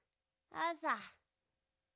あさ！？